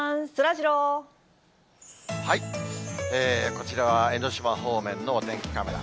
こちらは江の島方面のお天気カメラ。